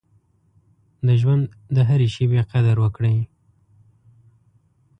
د ژوند د هرې شېبې قدر وکړئ.